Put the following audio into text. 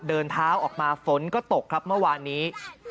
เดินเท้าออกมาฝนก็ตกครับเมื่อวานนี้